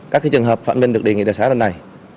các trường hợp phạm nhân được đề nghị đặc sá lần này